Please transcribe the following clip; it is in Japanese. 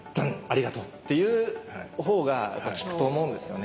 「ありがとう」っていうほうがやっぱ効くと思うんですよね。